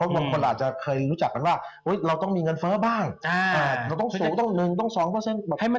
มันค์จะโดดเข้าไปต้องสูงมาก